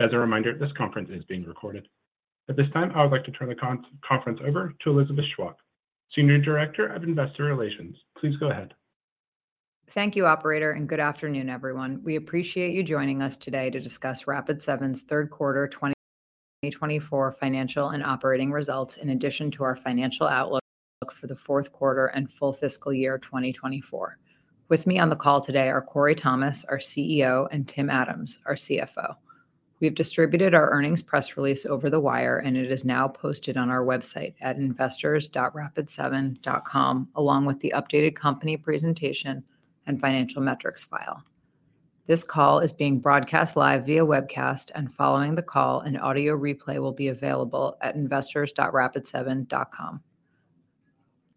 As a reminder, this conference is being recorded. At this time, I would like to turn the conference over to Elizabeth Chwalk, Senior Director of Investor Relations. Please go ahead. Thank you, Operator, and good afternoon, everyone. We appreciate you joining us today to discuss Rapid7's third quarter 2024 financial and operating results, in addition to our financial outlook for the fourth quarter and full fiscal year 2024. With me on the call today are Corey Thomas, our CEO, and Tim Adams, our CFO. We've distributed our earnings press release over the wire, and it is now posted on our website at investors.rapid7.com, along with the updated company presentation and financial metrics file. This call is being broadcast live via webcast, and following the call, an audio replay will be available at investors.rapid7.com.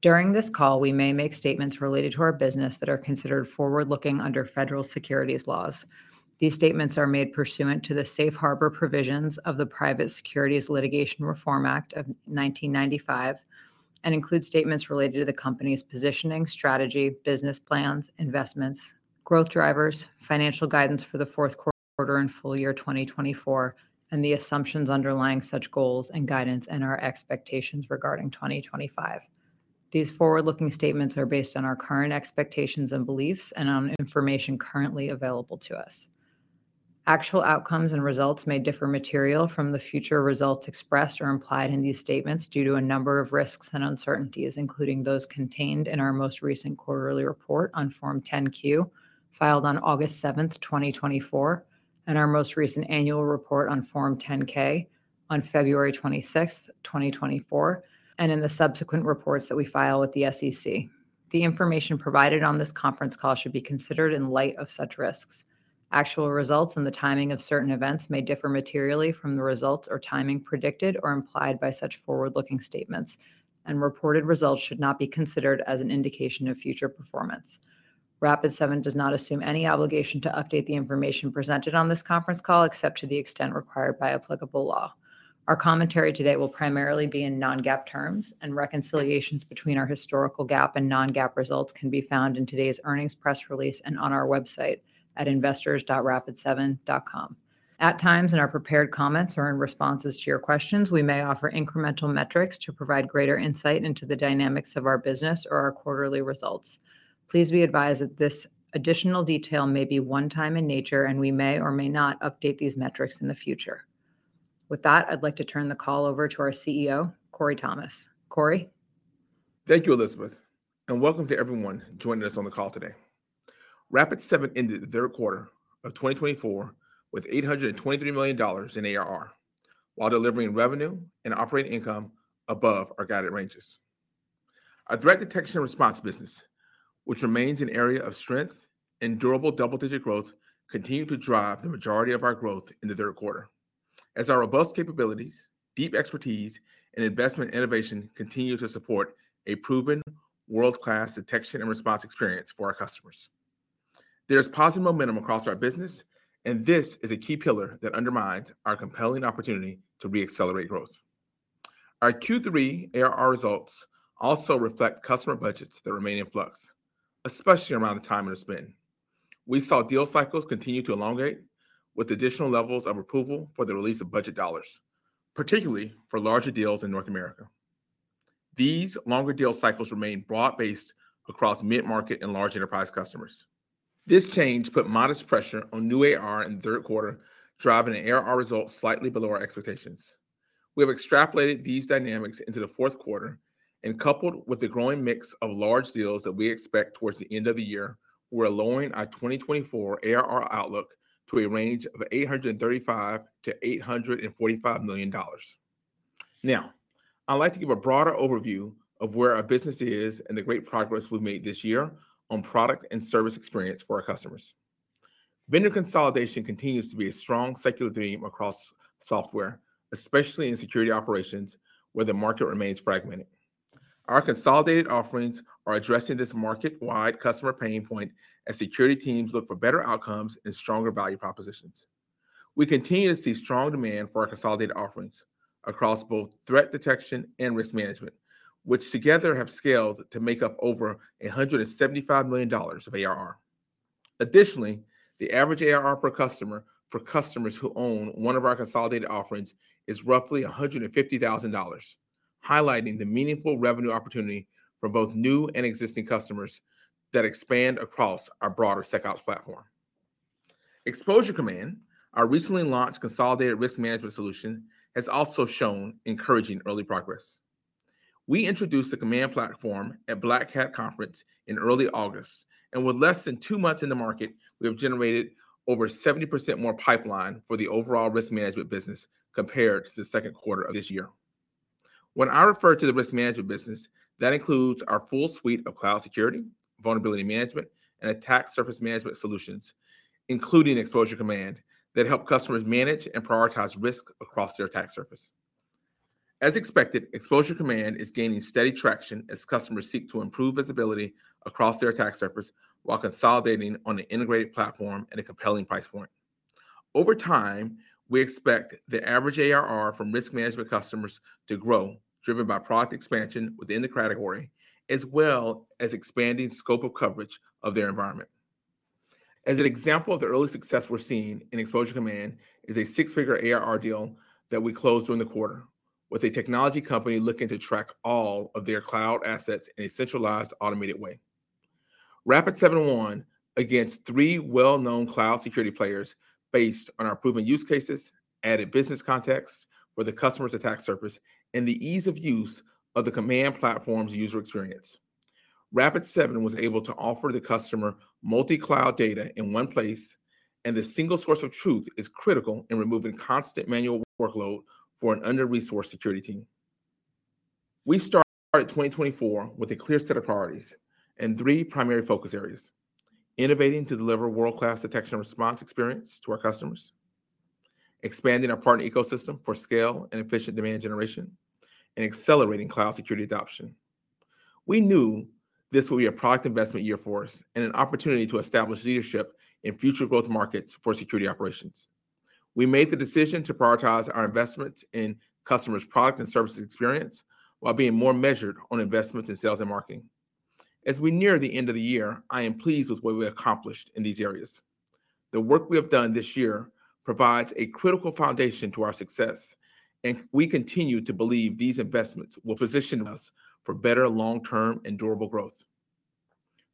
During this call, we may make statements related to our business that are considered forward-looking under federal securities laws. These statements are made pursuant to the safe harbor provisions of the Private Securities Litigation Reform Act of 1995 and include statements related to the company's positioning, strategy, business plans, investments, growth drivers, financial guidance for the fourth quarter and full year 2024, and the assumptions underlying such goals and guidance, and our expectations regarding 2025. These forward-looking statements are based on our current expectations and beliefs and on information currently available to us. Actual outcomes and results may differ materially from the future results expressed or implied in these statements due to a number of risks and uncertainties, including those contained in our most recent quarterly report on Form 10-Q filed on August 7, 2024, and our most recent annual report on Form 10-K on February 26, 2024, and in the subsequent reports that we file with the SEC. The information provided on this conference call should be considered in light of such risks. Actual results and the timing of certain events may differ materially from the results or timing predicted or implied by such forward-looking statements, and reported results should not be considered as an indication of future performance. Rapid7 does not assume any obligation to update the information presented on this conference call, except to the extent required by applicable law. Our commentary today will primarily be in non-GAAP terms, and reconciliations between our historical GAAP and non-GAAP results can be found in today's earnings press release and on our website at investors.rapid7.com. At times, in our prepared comments or in responses to your questions, we may offer incremental metrics to provide greater insight into the dynamics of our business or our quarterly results. Please be advised that this additional detail may be one-time in nature, and we may or may not update these metrics in the future. With that, I'd like to turn the call over to our CEO, Corey Thomas. Corey. Thank you, Elizabeth, and welcome to everyone joining us on the call today. Rapid7 ended the third quarter of 2024 with $823 million in ARR while delivering revenue and operating income above our guided ranges. Our threat detection and response business, which remains an area of strength and durable double-digit growth, continues to drive the majority of our growth in the third quarter, as our robust capabilities, deep expertise, and investment innovation continue to support a proven world-class detection and response experience for our customers. There is positive momentum across our business, and this is a key pillar that underpins our compelling opportunity to re-accelerate growth. Our Q3 ARR results also reflect customer budgets that remain in flux, especially around the time of the spin. We saw deal cycles continue to elongate with additional levels of approval for the release of budget dollars, particularly for larger deals in North America. These longer deal cycles remain broad-based across mid-market and large enterprise customers. This change put modest pressure on new ARR in the third quarter, driving the ARR results slightly below our expectations. We have extrapolated these dynamics into the fourth quarter, and coupled with the growing mix of large deals that we expect towards the end of the year, we're lowering our 2024 ARR outlook to a range of $835-$845 million. Now, I'd like to give a broader overview of where our business is and the great progress we've made this year on product and service experience for our customers. Vendor consolidation continues to be a strong secular theme across software, especially in security operations, where the market remains fragmented. Our consolidated offerings are addressing this market-wide customer pain point as security teams look for better outcomes and stronger value propositions. We continue to see strong demand for our consolidated offerings across both threat detection and risk management, which together have scaled to make up over $175 million of ARR. Additionally, the average ARR per customer for customers who own one of our consolidated offerings is roughly $150,000, highlighting the meaningful revenue opportunity for both new and existing customers that expand across our broader SecOps platform. Exposure Command, our recently launched consolidated risk management solution, has also shown encouraging early progress. We introduced the Command Platform at Black Hat Conference in early August, and with less than two months in the market, we have generated over 70% more pipeline for the overall risk management business compared to the second quarter of this year. When I refer to the risk management business, that includes our full suite of cloud security, vulnerability management, and attack surface management solutions, including Exposure Command, that help customers manage and prioritize risk across their attack surface. As expected, Exposure Command is gaining steady traction as customers seek to improve visibility across their attack surface while consolidating on an integrated platform at a compelling price point. Over time, we expect the average ARR from risk management customers to grow, driven by product expansion within the category, as well as expanding scope of coverage of their environment. As an example of the early success we're seeing in Exposure Command is a six-figure ARR deal that we closed during the quarter, with a technology company looking to track all of their cloud assets in a centralized, automated way. Rapid7 won against three well-known cloud security players based on our proven use cases, added business context, for the customer's attack surface, and the ease of use of the Command Platform's user experience. Rapid7 was able to offer the customer multi-cloud data in one place, and the single source of truth is critical in removing constant manual workload for an under-resourced security team. We started 2024 with a clear set of priorities and three primary focus areas: innovating to deliver world-class detection and response experience to our customers, expanding our partner ecosystem for scale and efficient demand generation, and accelerating cloud security adoption. We knew this would be a product investment year for us and an opportunity to establish leadership in future growth markets for security operations. We made the decision to prioritize our investments in customers' product and service experience while being more measured on investments in sales and marketing. As we near the end of the year, I am pleased with what we accomplished in these areas. The work we have done this year provides a critical foundation to our success, and we continue to believe these investments will position us for better long-term and durable growth.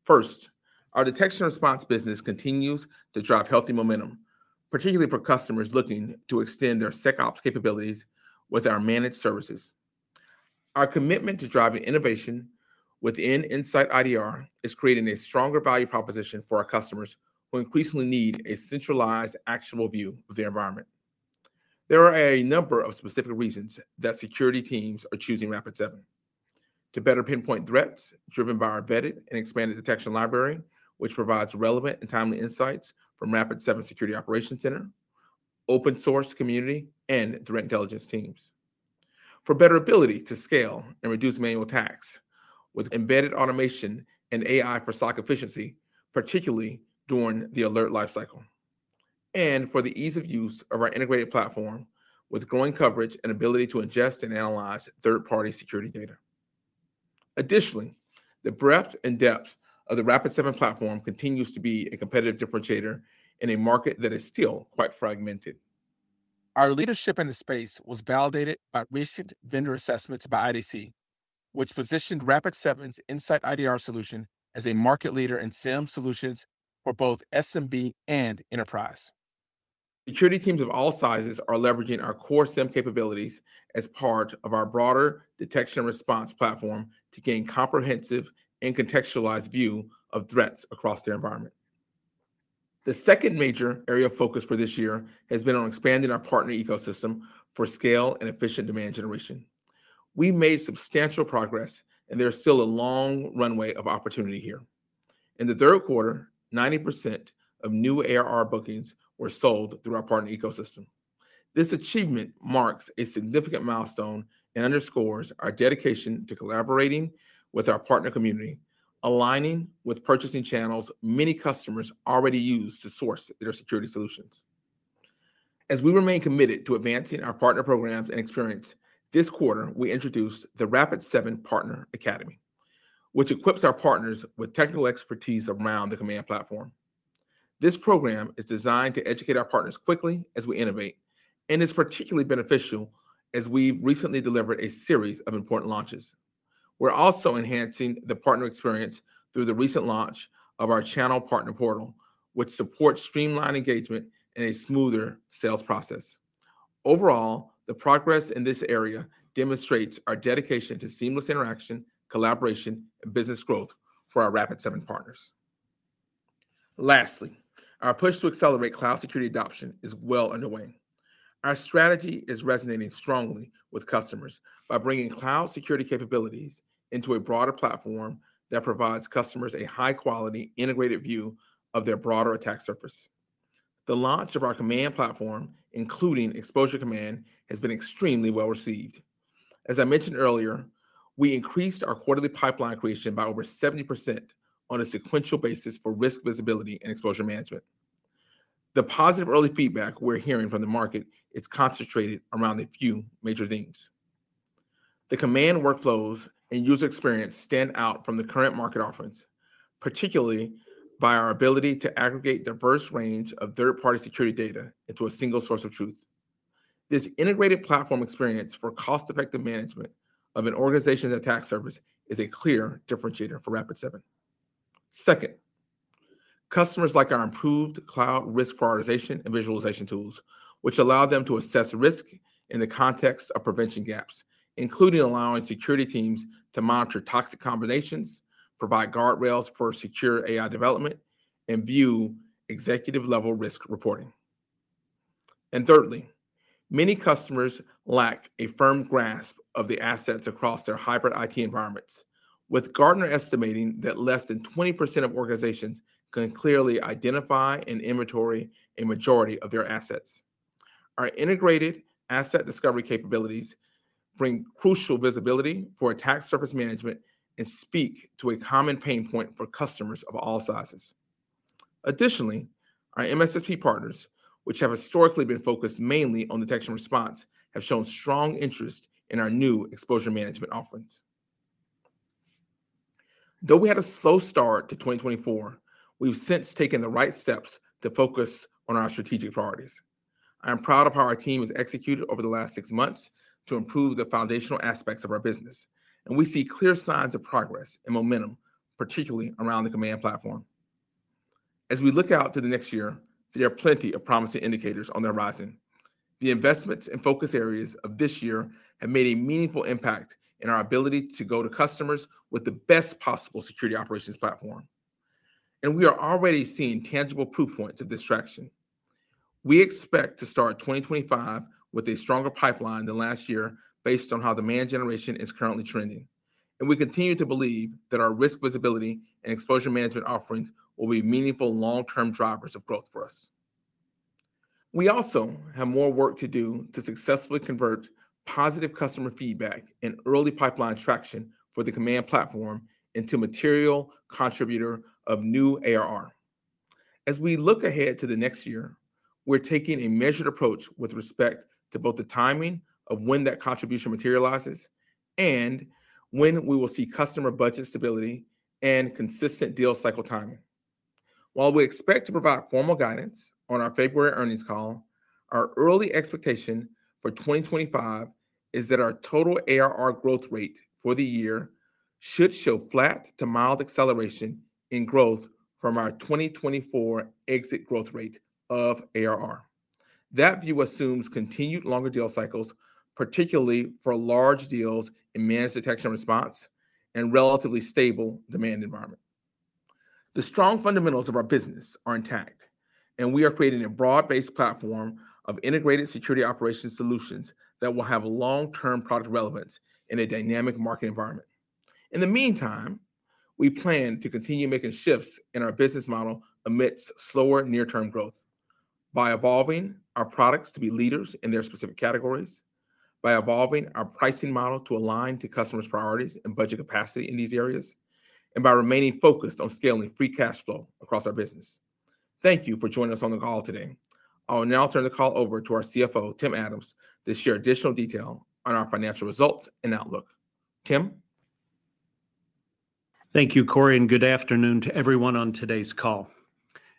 First, our detection and response business continues to drive healthy momentum, particularly for customers looking to extend their SecOps capabilities with our managed services. Our commitment to driving innovation within InsightIDR is creating a stronger value proposition for our customers who increasingly need a centralized, actionable view of their environment. There are a number of specific reasons that security teams are choosing Rapid7: to better pinpoint threats driven by our embedded and expanded detection library, which provides relevant and timely insights from Rapid7 Security Operations Center, open-source community, and threat intelligence teams, for better ability to scale and reduce manual tasks with embedded automation and AI for SOC efficiency, particularly during the alert lifecycle, and for the ease of use of our integrated platform with growing coverage and ability to ingest and analyze third-party security data. Additionally, the breadth and depth of the Rapid7 platform continues to be a competitive differentiator in a market that is still quite fragmented. Our leadership in the space was validated by recent vendor assessments by IDC, which positioned Rapid7's InsightIDR solution as a market leader in SIEM solutions for both SMB and enterprise. Security teams of all sizes are leveraging our core SIEM capabilities as part of our broader detection and response platform to gain a comprehensive and contextualized view of threats across their environment. The second major area of focus for this year has been on expanding our partner ecosystem for scale and efficient demand generation. We've made substantial progress, and there is still a long runway of opportunity here. In the third quarter, 90% of new ARR bookings were sold through our partner ecosystem. This achievement marks a significant milestone and underscores our dedication to collaborating with our partner community, aligning with purchasing channels many customers already use to source their security solutions. As we remain committed to advancing our partner programs and experience, this quarter, we introduced the Rapid7 Partner Academy, which equips our partners with technical expertise around the Command Platform. This program is designed to educate our partners quickly as we innovate and is particularly beneficial as we've recently delivered a series of important launches. We're also enhancing the partner experience through the recent launch of our channel partner portal, which supports streamlined engagement and a smoother sales process. Overall, the progress in this area demonstrates our dedication to seamless interaction, collaboration, and business growth for our Rapid7 partners. Lastly, our push to accelerate cloud security adoption is well underway. Our strategy is resonating strongly with customers by bringing cloud security capabilities into a broader platform that provides customers a high-quality integrated view of their broader attack surface. The launch of our Command Platform, including Exposure Command, has been extremely well received. As I mentioned earlier, we increased our quarterly pipeline creation by over 70% on a sequential basis for risk visibility and exposure management. The positive early feedback we're hearing from the market is concentrated around a few major themes. The Command workflows and user experience stand out from the current market offerings, particularly by our ability to aggregate a diverse range of third-party security data into a single source of truth. This integrated platform experience for cost-effective management of an organization's attack surface is a clear differentiator for Rapid7. Second, customers like our improved cloud risk prioritization and visualization tools, which allow them to assess risk in the context of prevention gaps, including allowing security teams to monitor toxic combinations, provide guardrails for secure AI development, and view executive-level risk reporting. And thirdly, many customers lack a firm grasp of the assets across their hybrid IT environments, with Gartner estimating that less than 20% of organizations can clearly identify and inventory a majority of their assets. Our integrated asset discovery capabilities bring crucial visibility for attack surface management and speak to a common pain point for customers of all sizes. Additionally, our MSSP partners, which have historically been focused mainly on detection and response, have shown strong interest in our new exposure management offerings. Though we had a slow start to 2024, we've since taken the right steps to focus on our strategic priorities. I am proud of how our team has executed over the last six months to improve the foundational aspects of our business, and we see clear signs of progress and momentum, particularly around the Command Platform. As we look out to the next year, there are plenty of promising indicators on the horizon. The investments and focus areas of this year have made a meaningful impact in our ability to go to customers with the best possible security operations platform, and we are already seeing tangible proof points of this traction. We expect to start 2025 with a stronger pipeline than last year based on how demand generation is currently trending, and we continue to believe that our risk visibility and exposure management offerings will be meaningful long-term drivers of growth for us. We also have more work to do to successfully convert positive customer feedback and early pipeline traction for the Command Platform into material contributor of new ARR. As we look ahead to the next year, we're taking a measured approach with respect to both the timing of when that contribution materializes and when we will see customer budget stability and consistent deal cycle timing. While we expect to provide formal guidance on our February earnings call, our early expectation for 2025 is that our total ARR growth rate for the year should show flat to mild acceleration in growth from our 2024 exit growth rate of ARR. That view assumes continued longer deal cycles, particularly for large deals in managed detection and response and relatively stable demand environment. The strong fundamentals of our business are intact, and we are creating a broad-based platform of integrated security operations solutions that will have long-term product relevance in a dynamic market environment. In the meantime, we plan to continue making shifts in our business model amidst slower near-term growth by evolving our products to be leaders in their specific categories, by evolving our pricing model to align to customers' priorities and budget capacity in these areas, and by remaining focused on scaling free cash flow across our business. Thank you for joining us on the call today. I'll now turn the call over to our CFO, Tim Adams, to share additional detail on our financial results and outlook. Tim. Thank you, Corey, and good afternoon to everyone on today's call.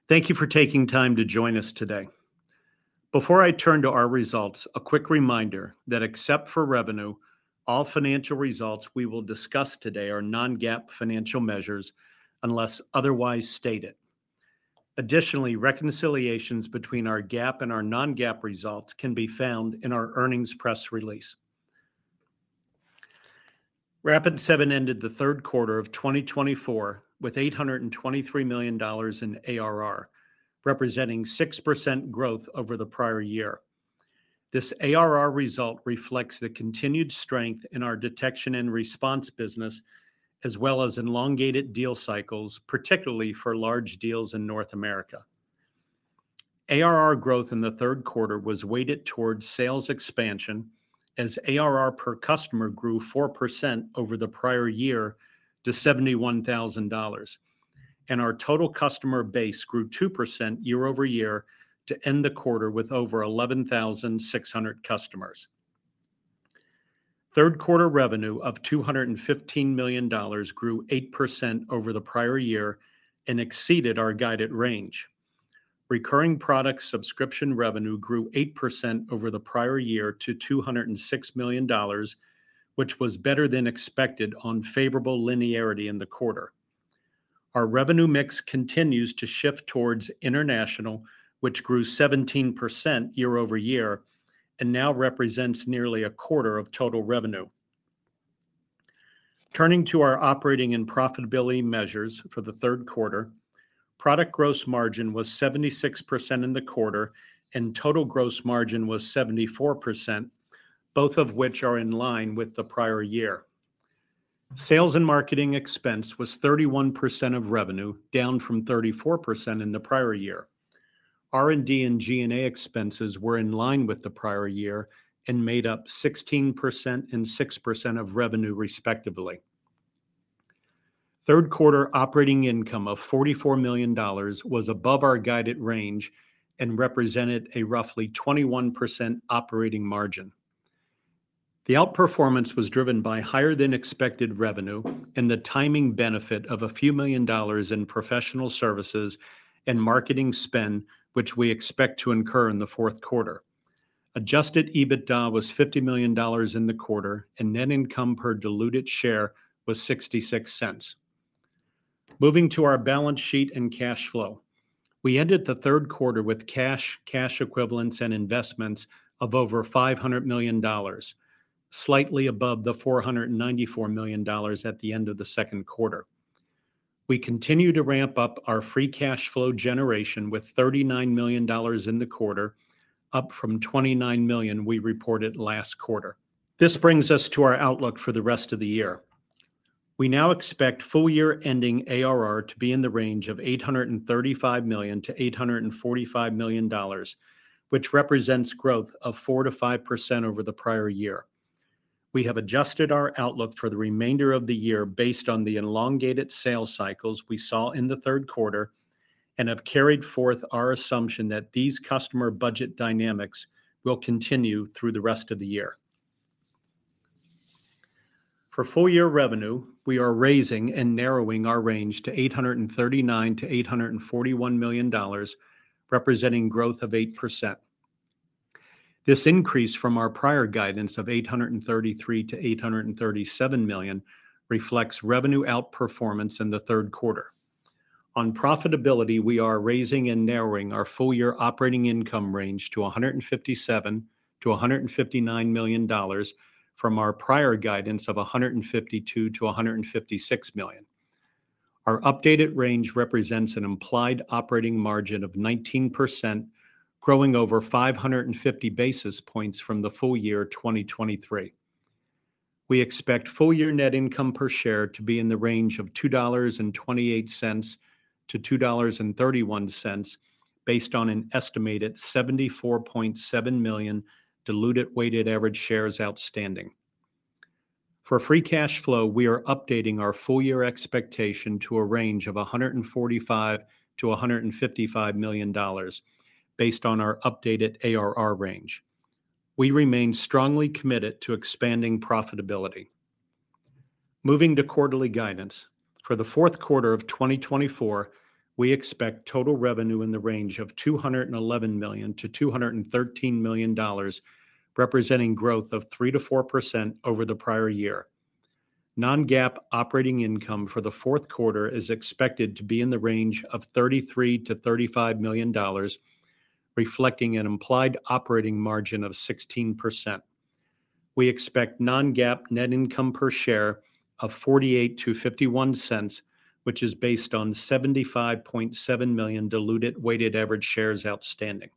Thank you for taking time to join us today. Before I turn to our results, a quick reminder that except for revenue, all financial results we will discuss today are Non-GAAP financial measures unless otherwise stated. Additionally, reconciliations between our GAAP and our Non-GAAP results can be found in our earnings press release. Rapid7 ended the third quarter of 2024 with $823 million in ARR, representing 6% growth over the prior year. This ARR result reflects the continued strength in our detection and response business, as well as elongated deal cycles, particularly for large deals in North America. ARR growth in the third quarter was weighted towards sales expansion as ARR per customer grew 4% over the prior year to $71,000, and our total customer base grew 2% year-over-year to end the quarter with over 11,600 customers. Third quarter revenue of $215 million grew 8% over the prior year and exceeded our guided range. Recurring product subscription revenue grew 8% over the prior year to $206 million, which was better than expected on favorable linearity in the quarter. Our revenue mix continues to shift towards international, which grew 17% year-over-year and now represents nearly a quarter of total revenue. Turning to our operating and profitability measures for the third quarter, product gross margin was 76% in the quarter and total gross margin was 74%, both of which are in line with the prior year. Sales and marketing expense was 31% of revenue, down from 34% in the prior year. R&D and G&A expenses were in line with the prior year and made up 16% and 6% of revenue, respectively. Third quarter operating income of $44 million was above our guided range and represented a roughly 21% operating margin. The outperformance was driven by higher-than-expected revenue and the timing benefit of a few million dollars in professional services and marketing spend, which we expect to incur in the fourth quarter. Adjusted EBITDA was $50 million in the quarter, and net income per diluted share was $0.66. Moving to our balance sheet and cash flow, we ended the third quarter with cash, cash equivalents, and investments of over $500 million, slightly above the $494 million at the end of the second quarter. We continue to ramp up our free cash flow generation with $39 million in the quarter, up from $29 million we reported last quarter. This brings us to our outlook for the rest of the year. We now expect full-year ending ARR to be in the range of $835 million to $845 million, which represents growth of 4%-5% over the prior year. We have adjusted our outlook for the remainder of the year based on the elongated sales cycles we saw in the third quarter and have carried forth our assumption that these customer budget dynamics will continue through the rest of the year. For full-year revenue, we are raising and narrowing our range to $839 million to $841 million, representing growth of 8%. This increase from our prior guidance of $833 million to $837 million reflects revenue outperformance in the third quarter. On profitability, we are raising and narrowing our full-year operating income range to $157 million to $159 million from our prior guidance of $152 million to $156 million. Our updated range represents an implied operating margin of 19%, growing over 550 basis points from the full year 2023. We expect full-year net income per share to be in the range of $2.28-$2.31 based on an estimated 74.7 million diluted weighted average shares outstanding. For free cash flow, we are updating our full-year expectation to a range of $145 to $155 million based on our updated ARR range. We remain strongly committed to expanding profitability. Moving to quarterly guidance, for the fourth quarter of 2024, we expect total revenue in the range of $211 to $213 million, representing growth of 3%-4% over the prior year. Non-GAAP operating income for the fourth quarter is expected to be in the range of $33 to $35 million, reflecting an implied operating margin of 16%. We expect non-GAAP net income per share of $0.48 to $0.51, which is based on 75.7 million diluted weighted average shares outstanding.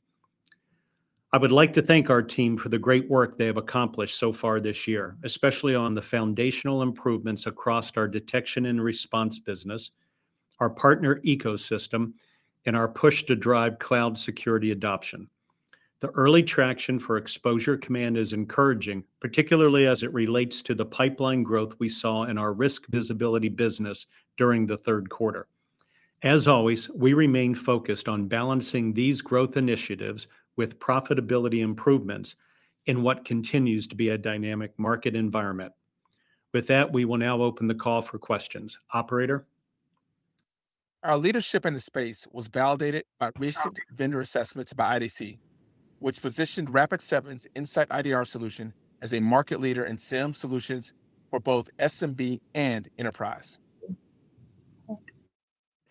I would like to thank our team for the great work they have accomplished so far this year, especially on the foundational improvements across our detection and response business, our partner ecosystem, and our push to drive cloud security adoption. The early traction for Exposure Command is encouraging, particularly as it relates to the pipeline growth we saw in our risk visibility business during the third quarter. As always, we remain focused on balancing these growth initiatives with profitability improvements in what continues to be a dynamic market environment. With that, we will now open the call for questions. Operator. Our leadership in the space was validated by recent vendor assessments by IDC, which positioned Rapid7's InsightIDR solution as a market leader in SIEM solutions for both SMB and enterprise.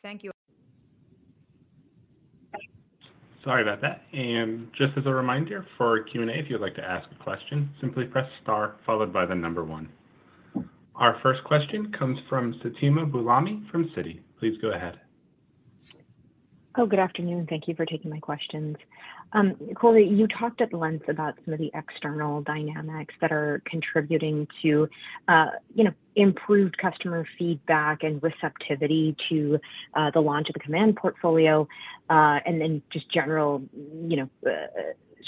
Thank you. Sorry about that. And just as a reminder for Q&A, if you'd like to ask a question, simply press star, followed by the number one. Our first question comes from Fatima Boolani from Citi. Please go ahead. Oh, good afternoon. Thank you for taking my questions. Corey, you talked at length about some of the external dynamics that are contributing to, you know, improved customer feedback and receptivity to the launch of the Command portfolio and then just general, you know,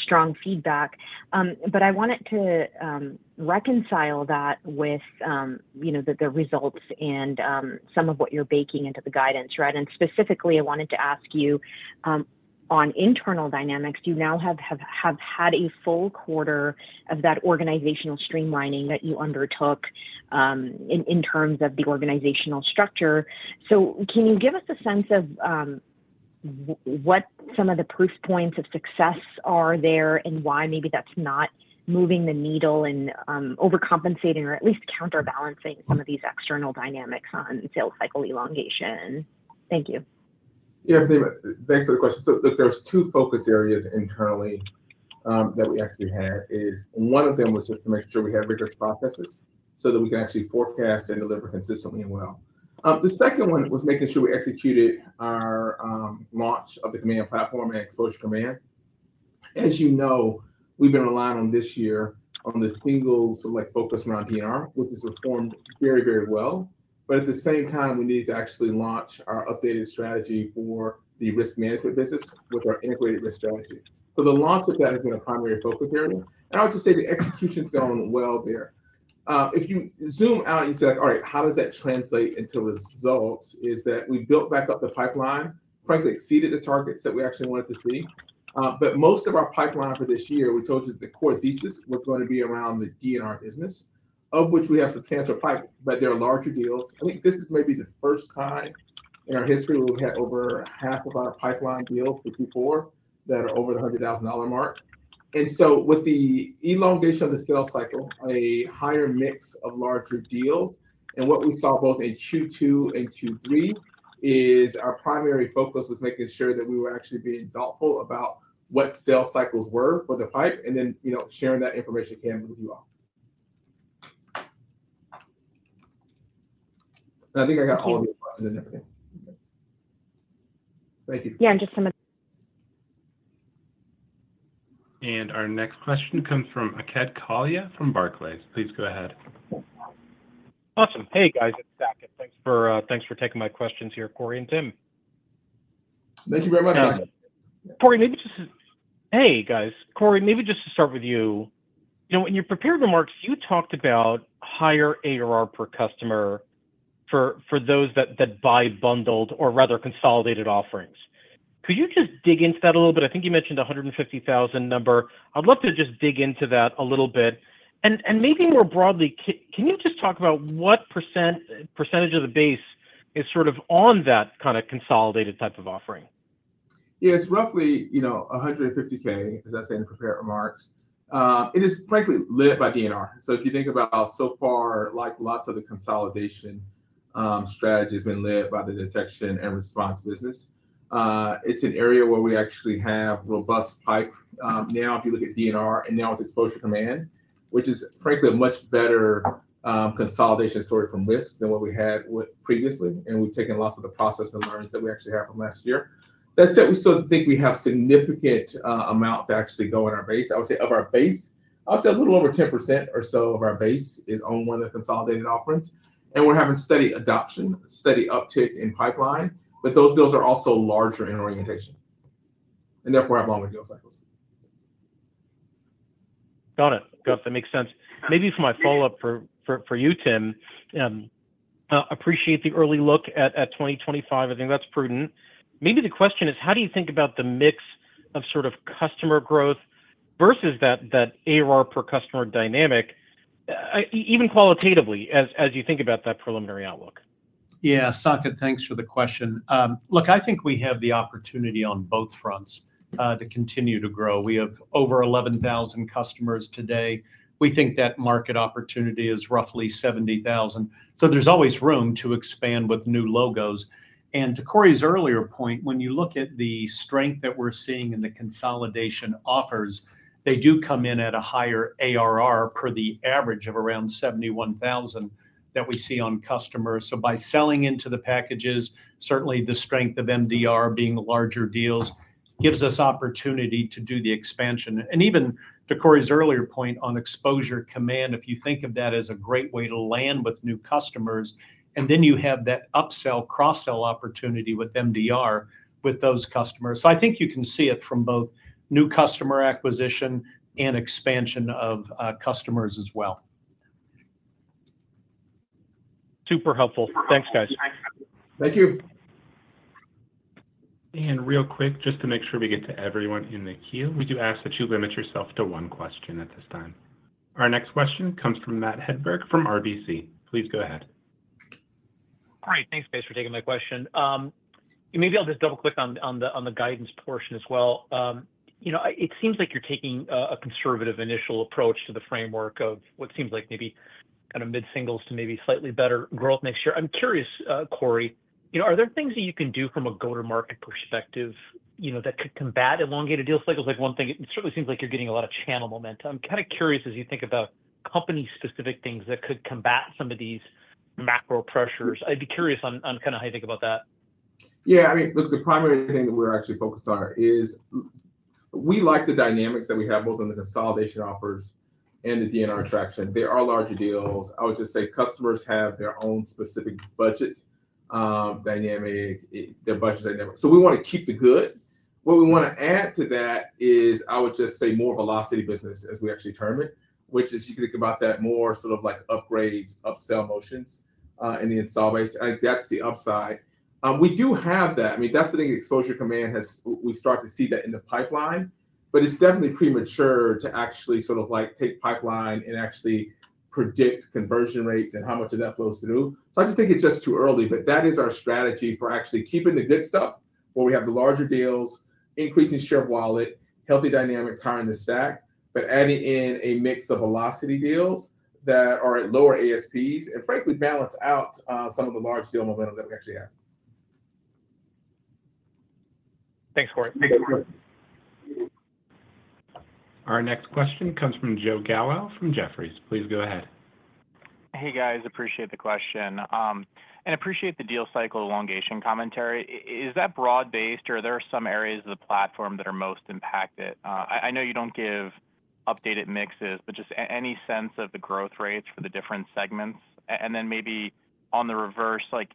strong feedback. But I wanted to reconcile that with, you know, the results and some of what you're baking into the guidance, right? And specifically, I wanted to ask you on internal dynamics, you now have had a full quarter of that organizational streamlining that you undertook in terms of the organizational structure. So can you give us a sense of what some of the proof points of success are there and why maybe that's not moving the needle and overcompensating or at least counterbalancing some of these external dynamics on sales cycle elongation? Thank you. Yeah, thanks for the question, so look, there's two focus areas internally that we actually had. One of them was just to make sure we had rigorous processes so that we can actually forecast and deliver consistently and well. The second one was making sure we executed our launch of the Command Platform and Exposure Command. As you know, we've been relying on this year on this single sort of like focus around D&R, which has performed very, very well. But at the same time, we needed to actually launch our updated strategy for the risk management business with our integrated risk strategy, so the launch of that has been a primary focus area, and I would just say the execution's gone well there. If you zoom out and you say, like, all right, how does that translate into results? It's that we built back up the pipeline, frankly, exceeded the targets that we actually wanted to see. But most of our pipeline for this year, we told you that the core thesis was going to be around the D&R business, of which we have substantial pipe, but there are larger deals. I think this is maybe the first time in our history where we've had over half of our pipeline deals with people that are over the $100,000 mark. And so with the elongation of the sales cycle, a higher mix of larger deals. And what we saw both in Q2 and Q3 is our primary focus was making sure that we were actually being thoughtful about what sales cycles were for the pipe and then, you know, sharing that information with you all. I think I got all of your questions and everything. Thank you. Yeah, and just some of the. Our next question comes from Saket Kalia from Barclays. Please go ahead. Awesome. Hey, guys, it's back, and thanks for taking my questions here, Corey and Tim. Thank you very much. Hey, guys. Corey, maybe just to start with you. You know, when you prepared remarks, you talked about higher ARR per customer for those that buy bundled or rather consolidated offerings. Could you just dig into that a little bit? I think you mentioned the $150,000 number. I'd love to just dig into that a little bit. And maybe more broadly, can you just talk about what percentage of the base is sort of on that kind of consolidated type of offering? Yeah, it's roughly, you know, 150K, as I said in prepared remarks. It is frankly led by D&R. So if you think about so far, like lots of the consolidation strategy has been led by the detection and response business. It's an area where we actually have robust pipe now if you look at D&R and now with Exposure Command, which is frankly a much better consolidation story from risk than what we had previously. And we've taken lots of the process and learnings that we actually have from last year. That said, we still think we have a significant amount to actually go in our base. I would say of our base, I would say a little over 10% or so of our base is on one of the consolidated offerings. We're having steady adoption, steady uptake in pipeline, but those deals are also larger in orientation and therefore have longer deal cycles. Got it. Got it. That makes sense. Maybe for my follow-up for you, Tim, appreciate the early look at 2025. I think that's prudent. Maybe the question is, how do you think about the mix of sort of customer growth versus that ARR per customer dynamic, even qualitatively, as you think about that preliminary outlook? Yeah, Saket, thanks for the question. Look, I think we have the opportunity on both fronts to continue to grow. We have over 11,000 customers today. We think that market opportunity is roughly 70,000. So there's always room to expand with new logos. And to Corey's earlier point, when you look at the strength that we're seeing in the consolidation offers, they do come in at a higher ARR per the average of around 71,000 that we see on customers. So by selling into the packages, certainly the strength of MDR being larger deals gives us opportunity to do the expansion. And even to Corey's earlier point on Exposure Command, if you think of that as a great way to land with new customers, and then you have that upsell, cross-sell opportunity with MDR with those customers. So I think you can see it from both new customer acquisition and expansion of customers as well. Super helpful. Thanks, guys. Thank you. Real quick, just to make sure we get to everyone in the queue, we do ask that you limit yourself to one question at this time. Our next question comes from Matt Hedberg from RBC. Please go ahead. All right. Thanks, guys, for taking my question. Maybe I'll just double-click on the guidance portion as well. You know, it seems like you're taking a conservative initial approach to the framework of what seems like maybe kind of mid-singles to maybe slightly better growth next year. I'm curious, Corey, you know, are there things that you can do from a go-to-market perspective, you know, that could combat elongated deal cycles? Like one thing, it certainly seems like you're getting a lot of channel momentum. I'm kind of curious as you think about company-specific things that could combat some of these macro pressures. I'd be curious on kind of how you think about that. Yeah, I mean, look, the primary thing that we're actually focused on is we like the dynamics that we have both on the consolidation offers and the D&R traction. They are larger deals. I would just say customers have their own specific budget dynamic, their budget dynamic. So we want to keep the good. What we want to add to that is I would just say more velocity business, as we actually term it, which is you can think about that more sort of like upgrades, upsell motions in the install base. I think that's the upside. We do have that. I mean, that's the thing that Exposure Command has. We start to see that in the pipeline, but it's definitely premature to actually sort of like take pipeline and actually predict conversion rates and how much of that flows through. So I just think it's just too early, but that is our strategy for actually keeping the good stuff where we have the larger deals, increasing share of wallet, healthy dynamics higher in the stack, but adding in a mix of velocity deals that are at lower ASPs and frankly balance out some of the large deal momentum that we actually have. Thanks, Corey. Our next question comes from Joe Gallo from Jefferies. Please go ahead. Hey, guys. Appreciate the question and appreciate the deal cycle elongation commentary. Is that broad-based or are there some areas of the platform that are most impacted? I know you don't give updated mixes, but just any sense of the growth rates for the different segments? And then maybe on the reverse, like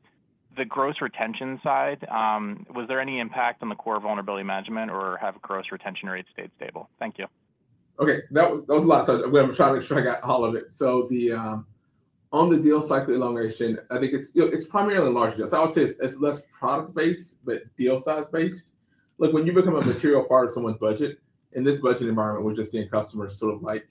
the gross retention side, was there any impact on the core Vulnerability Management or have gross retention rates stayed stable? Thank you. Okay. That was a lot, so I'm trying to make sure I got all of it, so on the deal cycle elongation, I think it's primarily large deals. I would say it's less product-based, but deal-size-based. Look, when you become a material part of someone's budget in this budget environment, we're just seeing customers sort of like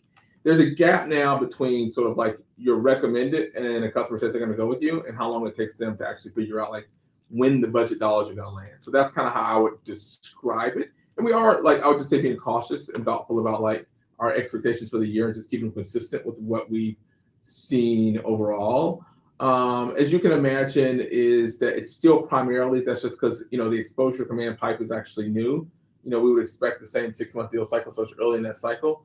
there's a gap now between sort of like you're recommended and then a customer says they're going to go with you and how long it takes them to actually figure out like when the budget dollars are going to land. So that's kind of how I would describe it, and we are, like I would just say, being cautious and thoughtful about like our expectations for the year and just keeping consistent with what we've seen overall. As you can imagine, it's still primarily that. That's just because, you know, the Exposure Command pipe is actually new. You know, we would expect the same six-month deal cycle. It starts early in that cycle.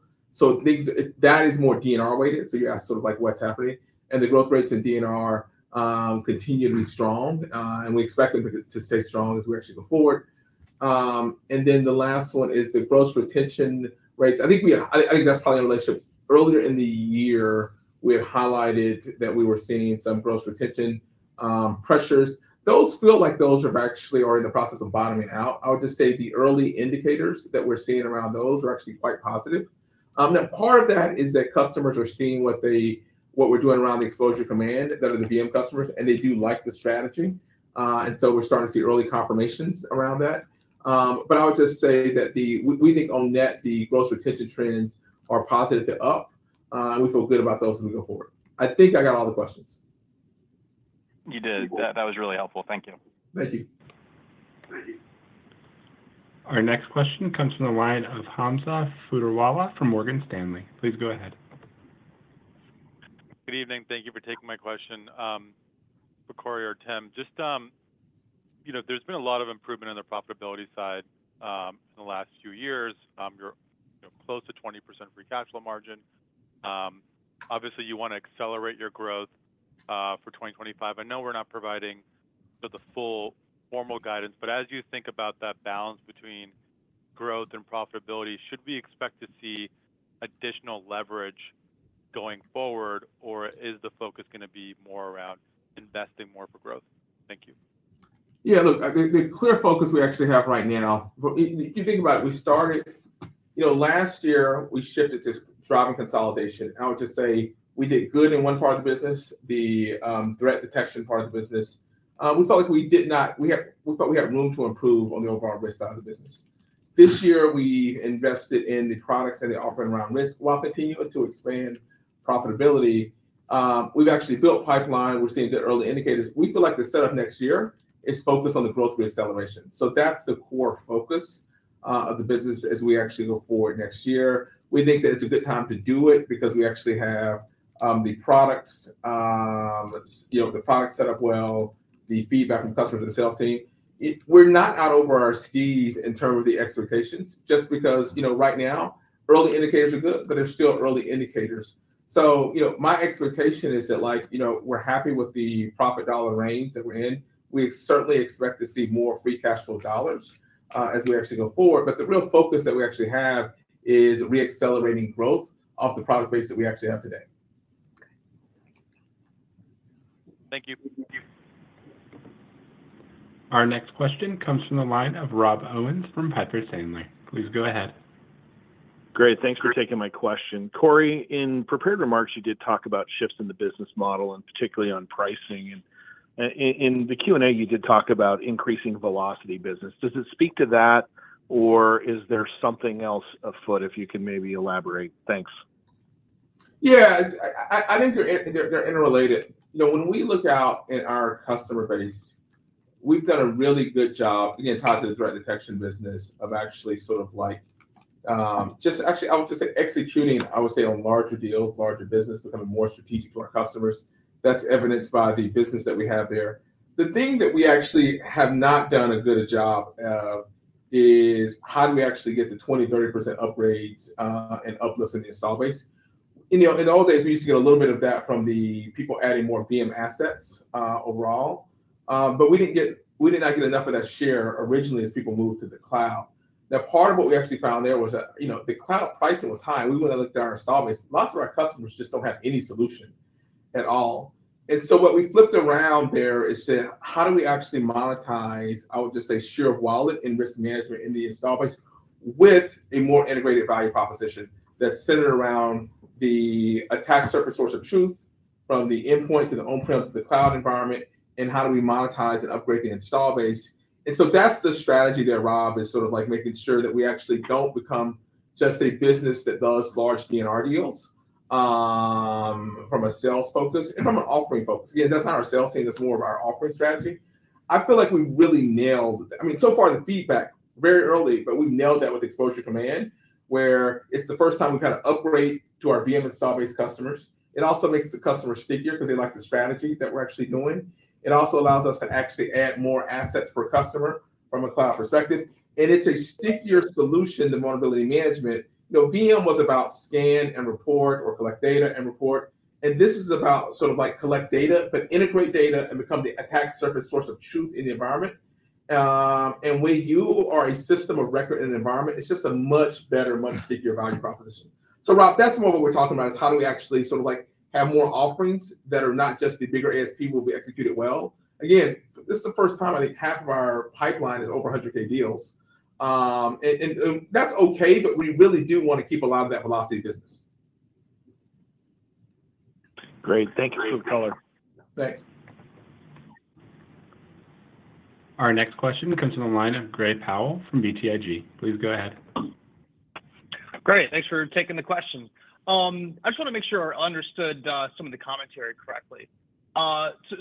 That is more D&R-weighted. You ask sort of like what's happening. The growth rates in D&R continue to be strong. We expect them to stay strong as we actually go forward. Then the last one is the gross retention rates. I think we had. I think that's probably in relationship. Earlier in the year, we had highlighted that we were seeing some gross retention pressures. Those feel like those are actually in the process of bottoming out. I would just say the early indicators that we're seeing around those are actually quite positive. Now, part of that is that customers are seeing what we're doing around the Exposure Command, that are the VM customers, and they do like the strategy. And so we're starting to see early confirmations around that. But I would just say that we think on net, the gross retention trends are positive to up. We feel good about those as we go forward. I think I got all the questions. You did. That was really helpful. Thank you. Thank you. Our next question comes from the line of Hamza Fodderwala from Morgan Stanley. Please go ahead. Good evening. Thank you for taking my question, Corey or Tim. Just, you know, there's been a lot of improvement in the profitability side in the last few years. You're close to 20% free cash flow margin. Obviously, you want to accelerate your growth for 2025. I know we're not providing the full formal guidance, but as you think about that balance between growth and profitability, should we expect to see additional leverage going forward, or is the focus going to be more around investing more for growth? Thank you. Yeah, look, the clear focus we actually have right now, if you think about it, we started, you know, last year, we shifted to driving consolidation. I would just say we did good in one part of the business, the threat detection part of the business. We felt like we did not, we felt we had room to improve on the overall risk side of the business. This year, we invested in the products and the offering around risk while continuing to expand profitability. We've actually built pipeline. We're seeing the early indicators. We feel like the setup next year is focused on the growth rate acceleration. So that's the core focus of the business as we actually go forward next year. We think that it's a good time to do it because we actually have the products, you know, the product setup well, the feedback from customers and the sales team. We're not out over our skis in terms of the expectations, just because, you know, right now, early indicators are good, but they're still early indicators. So, you know, my expectation is that, like, you know, we're happy with the profit dollar range that we're in. We certainly expect to see more Free Cash Flow dollars as we actually go forward. But the real focus that we actually have is re-accelerating growth off the product base that we actually have today. Thank you. Our next question comes from the line of Rob Owens from Piper Sandler. Please go ahead. Great. Thanks for taking my question. Corey, in prepared remarks, you did talk about shifts in the business model and particularly on pricing, and in the Q&A, you did talk about increasing velocity business. Does it speak to that, or is there something else afoot if you can maybe elaborate? Thanks. Yeah, I think they're interrelated. You know, when we look out at our customer base, we've done a really good job, again, tied to the threat detection business of actually sort of like just actually, I would just say executing, I would say, on larger deals, larger business, becoming more strategic to our customers. That's evidenced by the business that we have there. The thing that we actually have not done a good job of is how do we actually get the 20%-30% upgrades and uplifts in the install base? You know, in the old days, we used to get a little bit of that from the people adding more VM assets overall. But we didn't get, we did not get enough of that share originally as people moved to the cloud. Now, part of what we actually found there was that, you know, the cloud pricing was high. We went and looked at our installed base. Lots of our customers just don't have any solution at all. And so what we flipped around there is said, how do we actually monetize, I would just say, share of wallet and risk management in the installed base with a more integrated value proposition that's centered around the attack surface source of truth from the endpoint to the on-prem to the cloud environment, and how do we monetize and upgrade the installed base? And so that's the strategy there, Rob, is sort of like making sure that we actually don't become just a business that does large D&R deals from a sales focus and from an offering focus. Again, that's not our sales team. That's more of our offering strategy. I feel like we really nailed it. I mean, so far the feedback very early, but we've nailed that with Exposure Command, where it's the first time we've had an upgrade to our VM installed base customers. It also makes the customer stickier because they like the strategy that we're actually doing. It also allows us to actually add more assets for a customer from a cloud perspective. and it's a stickier solution than vulnerability management. You know, VM was about scan and report or collect data and report. and this is about sort of like collect data, but integrate data and become the attack surface source of truth in the environment. and when you are a system of record in the environment, it's just a much better, much stickier value proposition. So, Rob, that's more what we're talking about is how do we actually sort of like have more offerings that are not just the bigger ASP will be executed well. Again, this is the first time I think half of our pipeline is over 100K deals. And that's okay, but we really do want to keep a lot of that velocity business. Great. Thank you, Tim Adams. Thanks. Our next question comes from the line of Gray Powell from BTIG. Please go ahead. Great. Thanks for taking the question. I just want to make sure I understood some of the commentary correctly.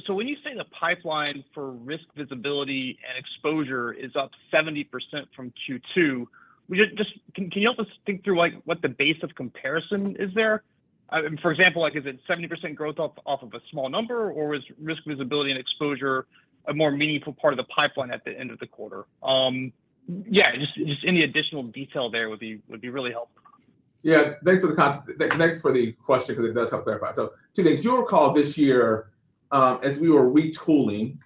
So when you say the pipeline for risk visibility and exposure is up 70% from Q2, can you help us think through like what the base of comparison is there? For example, like is it 70% growth off of a small number, or is risk visibility and exposure a more meaningful part of the pipeline at the end of the quarter? Yeah, just any additional detail there would be really helpful. Yeah, thanks for the question because it does help clarify. So, too, as you recall this year, as we were retooling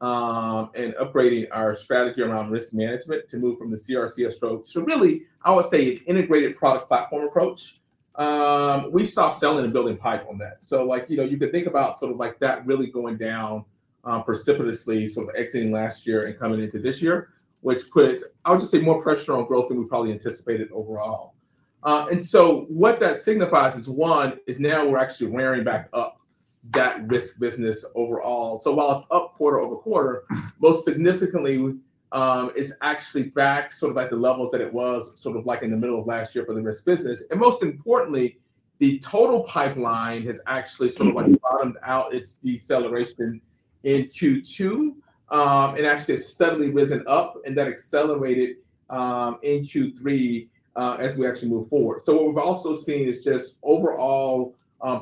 and upgrading our strategy around risk management to move from the CRC approach, so really, I would say an integrated product platform approach, we stopped selling and building pipe on that. So like, you know, you could think about sort of like that really going down precipitously, sort of exiting last year and coming into this year, which put, I would just say, more pressure on growth than we probably anticipated overall. And so what that signifies is, one, is now we're actually raring back up that risk business overall. So while it's up quarter over quarter, most significantly, it's actually back sort of at the levels that it was sort of like in the middle of last year for the risk business. Most importantly, the total pipeline has actually sort of like bottomed out its deceleration in Q2 and actually has steadily risen up, and that accelerated in Q3 as we actually move forward. What we've also seen is just overall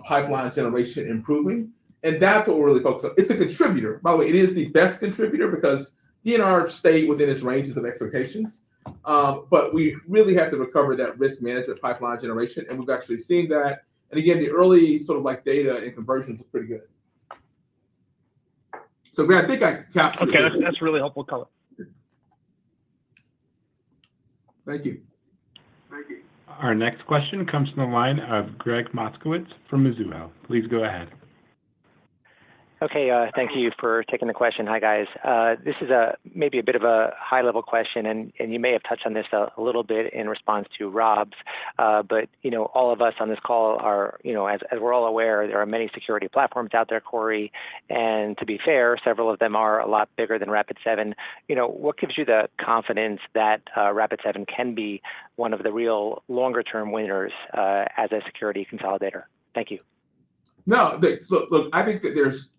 pipeline generation improving. That's what we're really focused on. It's a contributor. By the way, it is the best contributor because D&R stayed within its ranges of expectations. We really had to recover that risk management pipeline generation, and we've actually seen that. Again, the early sort of like data and conversions are pretty good. I think I captured it. Okay, that's really helpful, Corey. Thank you. Thank you. Our next question comes from the line of Gregg Moskowitz from Mizuho. Please go ahead. Okay, thank you for taking the question. Hi, guys. This is maybe a bit of a high-level question, and you may have touched on this a little bit in response to Rob's, but you know, all of us on this call are, you know, as we're all aware, there are many security platforms out there, Corey, and to be fair, several of them are a lot bigger than Rapid7. You know, what gives you the confidence that Rapid7 can be one of the real longer-term winners as a security consolidator? Thank you. No, thanks. Look, I think that there's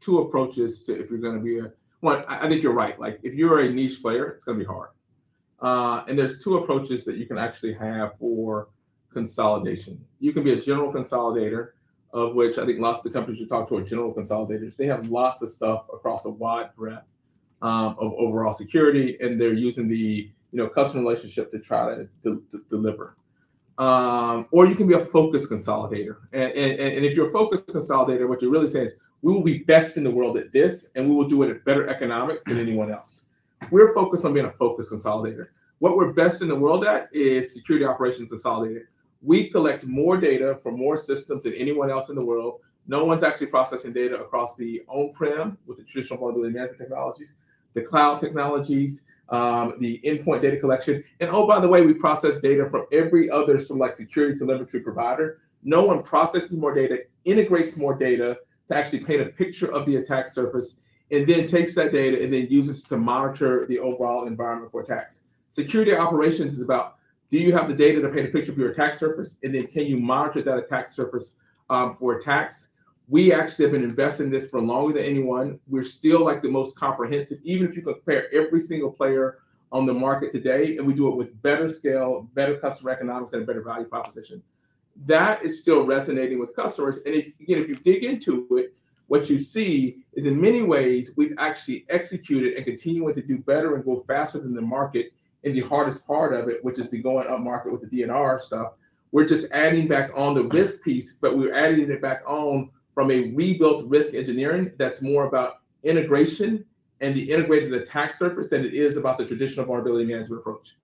two approaches to if you're going to be a, one, I think you're right. Like if you're a niche player, it's going to be hard. And there's two approaches that you can actually have for consolidation. You can be a general consolidator, of which I think lots of the companies you talk to are general consolidators. They have lots of stuff across a wide breadth of overall security, and they're using the, you know, customer relationship to try to deliver. Or you can be a focus consolidator. And if you're a focus consolidator, what you're really saying is, we will be best in the world at this, and we will do it at better economics than anyone else. We're focused on being a focus consolidator. What we're best in the world at is security operations consolidator. We collect more data from more systems than anyone else in the world. No one's actually processing data across the on-prem with the traditional vulnerability management technologies, the cloud technologies, the endpoint data collection, and oh, by the way, we process data from every other sort of like security delivery provider. No one processes more data, integrates more data to actually paint a picture of the attack surface, and then takes that data and then uses it to monitor the overall environment for attacks. Security operations is about, do you have the data to paint a picture of your attack surface, and then can you monitor that attack surface for attacks? We actually have been investing in this for longer than anyone. We're still like the most comprehensive, even if you compare every single player on the market today, and we do it with better scale, better customer economics, and a better value proposition. That is still resonating with customers. And again, if you dig into it, what you see is in many ways, we've actually executed and continued to do better and go faster than the market in the hardest part of it, which is the going up market with the D&R stuff. We're just adding back on the risk piece, but we're adding it back on from a rebuilt risk engineering that's more about integration and the integrated attack surface than it is about the traditional vulnerability management approach.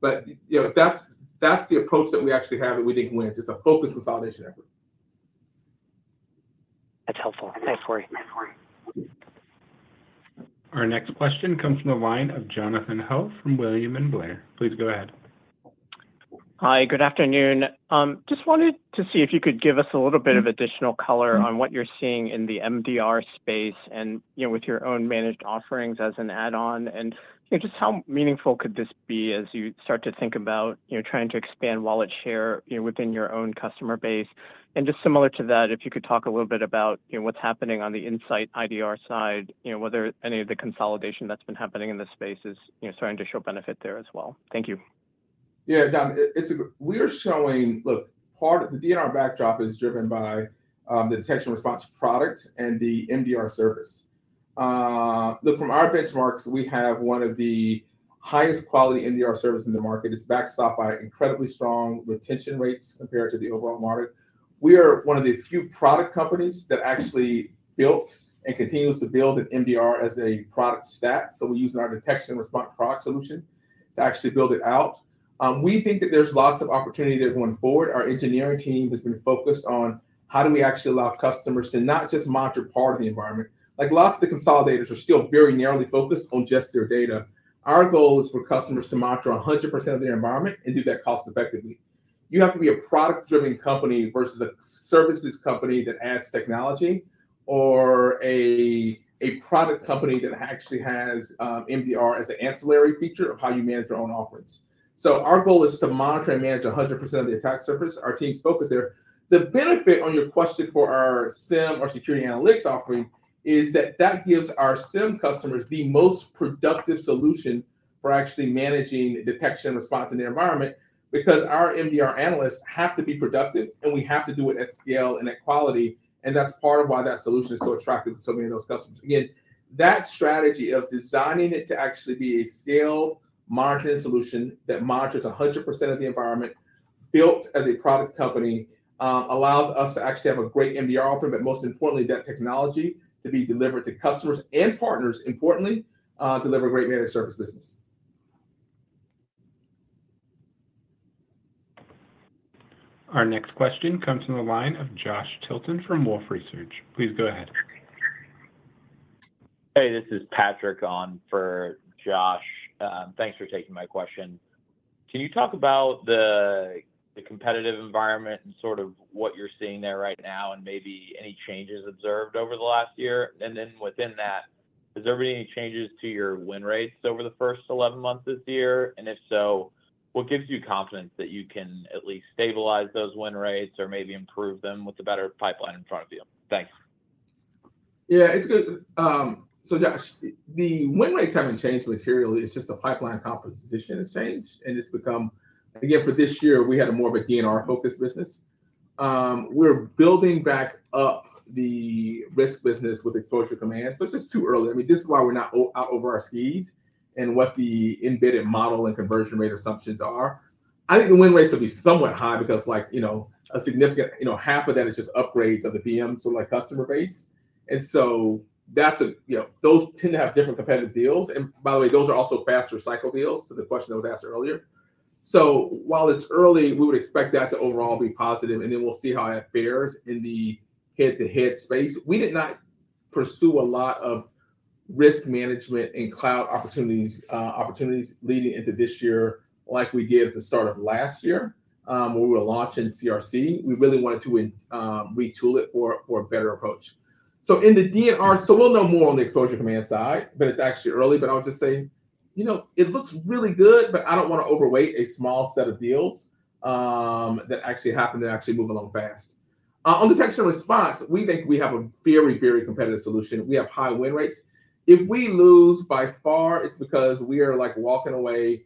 But, you know, that's the approach that we actually have that we think wins. It's a focus consolidation effort. That's helpful. Thanks, Corey. Our next question comes from the line of Jonathan Ho from William Blair. Please go ahead. Hi, good afternoon. Just wanted to see if you could give us a little bit of additional color on what you're seeing in the MDR space and, you know, with your own managed offerings as an add-on, and, you know, just how meaningful could this be as you start to think about, you know, trying to expand wallet share, you know, within your own customer base? And just similar to that, if you could talk a little bit about, you know, what's happening on the InsightIDR side, you know, whether any of the consolidation that's been happening in this space is, you know, starting to show benefit there as well. Thank you. Yeah, it's, we are showing. Look, part of the D&R backdrop is driven by the detection response product and the MDR service. Look, from our benchmarks, we have one of the highest quality MDR services in the market. It's backstopped by incredibly strong retention rates compared to the overall market. We are one of the few product companies that actually built and continues to build an MDR as a product stack. So we're using our detection response product solution to actually build it out. We think that there's lots of opportunity there going forward. Our engineering team has been focused on how do we actually allow customers to not just monitor part of the environment. Like lots of the consolidators are still very narrowly focused on just their data. Our goal is for customers to monitor 100% of their environment and do that cost-effectively. You have to be a product-driven company versus a services company that adds technology or a product company that actually has MDR as an ancillary feature of how you manage your own offerings. So our goal is to monitor and manage 100% of the attack surface. Our team's focus there. The benefit on your question for our SIEM or security analytics offering is that that gives our SIEM customers the most productive solution for actually managing detection response in the environment because our MDR analysts have to be productive, and we have to do it at scale and at quality. And that's part of why that solution is so attractive to so many of those customers. Again, that strategy of designing it to actually be a scaled margin solution that monitors 100% of the environment, built as a product company, allows us to actually have a great MDR offering, but most importantly, that technology to be delivered to customers and partners, importantly, deliver great managed service business. Our next question comes from the line of Josh Tilton from Wolfe Research. Please go ahead. Hey, this is Patrick on for Josh. Thanks for taking my question. Can you talk about the competitive environment and sort of what you're seeing there right now and maybe any changes observed over the last year? And then within that, has there been any changes to your win rates over the first 11 months this year? And if so, what gives you confidence that you can at least stabilize those win rates or maybe improve them with a better pipeline in front of you? Thanks. Yeah, it's good. So Josh, the win rates haven't changed materially. It's just the pipeline composition has changed, and it's become, again, for this year, we had more of a D&R-focused business. We're building back up the risk business with Exposure Command. So it's just too early. I mean, this is why we're not out over our skis and what the embedded model and conversion rate assumptions are. I think the win rates will be somewhat high because, like, you know, a significant, you know, half of that is just upgrades of the VM, sort of like customer base. And so that's a, you know, those tend to have different competitive deals. And by the way, those are also faster cycle deals to the question that was asked earlier. So while it's early, we would expect that to overall be positive, and then we'll see how that fares in the head-to-head space. We did not pursue a lot of risk management and cloud opportunities leading into this year like we did at the start of last year when we were launching CRC. We really wanted to retool it for a better approach. So in the D&R, so we'll know more on the Exposure Command side, but it's actually early. But I'll just say, you know, it looks really good, but I don't want to overweight a small set of deals that actually happen to move along fast. On detection response, we think we have a very, very competitive solution. We have high win rates. If we lose by far, it's because we are like walking away